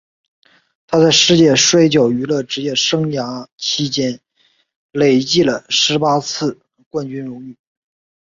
他在世界摔角娱乐职业生涯期间累计了十八次的冠军荣誉。